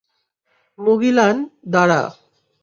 মুগিলান, দাঁড়া!